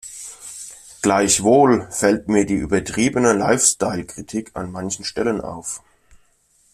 Gleichwohl fällt mir die übertriebene Lifestyle-Kritik an manchen Stellen auf.